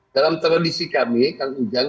dalam tradisi kami kang ujang